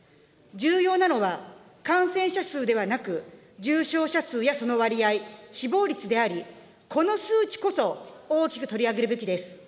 重要なのは、感染者数ではなく、重症者数やその割合、死亡率であり、この数値こそ、大きく取り上げるべきです。